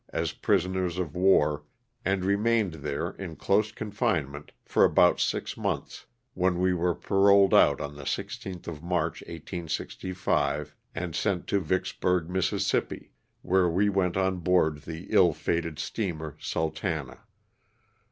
as prisoners of war, and remained there, in close confinement, for about six months, when we were paroled out on the 3 6th of March, 1865, and sent to Vicksburg, Miss., where we went on board the ill fated steamer ^'Sultana."